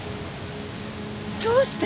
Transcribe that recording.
どうして！？